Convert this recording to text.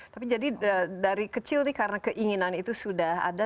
tapi jadi dari kecil nih karena keinginan itu sudah ada